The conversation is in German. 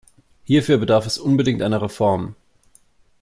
Hierfür bedarf es unbedingt einer Reform.